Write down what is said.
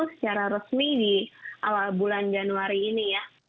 secara resmi di awal bulan januari ini ya